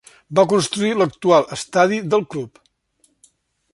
Va construir l'actual estadi del club.